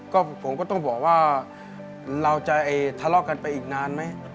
ก็ผมก็ต้องบอกว่าเราจะทะเลาะกันไปอีกนานไหม